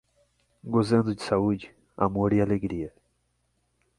Gozando de saúde, amor e alegria